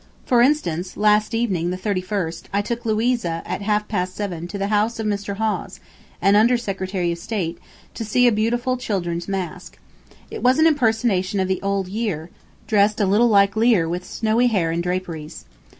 For instance, last evening, the 31st, I took Louisa, at half past seven, to the house of Mr. Hawes, an under Secretary of State, to see a beautiful children's masque. It was an impersonation of the "Old Year" dressed a little like Lear with snowy hair and draperies.